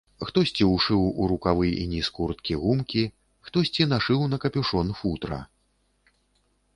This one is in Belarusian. Хтосьці ўшыў у рукавы і ніз курткі гумкі, хтосьці нашыў на капюшон футра.